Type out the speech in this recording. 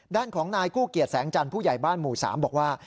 ด้านของนายกู้เกียจแสงจันทร์ผู้ใหญ่บ้านหมู่๓บอกว่า